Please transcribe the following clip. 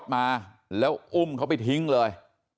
มาแล้วอุ้มเขาไปทิ้งเลย